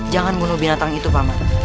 jangan bunuh binatang itu paman